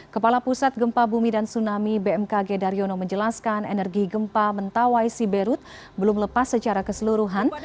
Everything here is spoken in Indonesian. kepala pusat gempa bumi dan tsunami bmkg daryono menjelaskan energi gempa mentawai siberut belum lepas secara keseluruhan